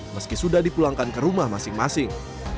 meski sudah dipulangkan ke rumah masing masing